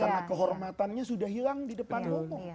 karena kehormatannya sudah hilang di depan lo